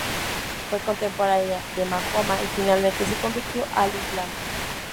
Fue contemporánea de Mahoma y, finalmente, se convirtió al Islam.